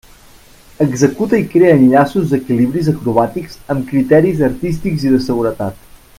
Executa i crea enllaços d'equilibris acrobàtics amb criteris artístics i de seguretat.